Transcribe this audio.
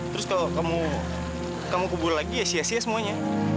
terus kalau kamu kubur lagi ya sia sia semuanya